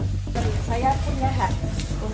saya punya hak untuk kita